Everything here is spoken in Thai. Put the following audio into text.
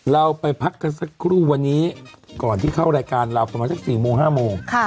เราไปพักกันสักครู่วันนี้ก่อนที่เข้ารายการเราประมาณสัก๔โมง๕โมง